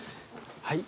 はい。